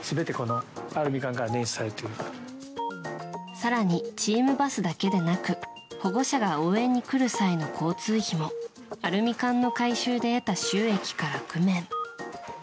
更に、チームバスだけでなく保護者が応援に来る際の交通費もアルミ缶の回収で得た収益から工面。